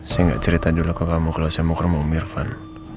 saya gak cerita dulu ke kamu kalau saya mau kerumuh mirvan